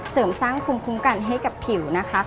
เสริมสร้างภูมิคุ้มกันให้กับผิวนะคะ